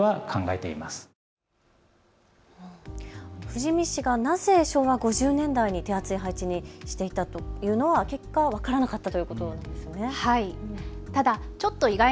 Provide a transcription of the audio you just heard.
富士見市がなぜ昭和５０年代に手厚い配置にしていたというのは結果は分からなかったということですね。